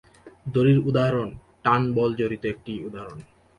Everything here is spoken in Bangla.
দড়ির উদাহরণ 'টান' বল জড়িত একটি উদাহরণ।